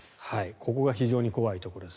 ここが非常に怖いところです。